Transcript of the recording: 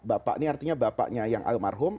bapak ini artinya bapaknya yang almarhum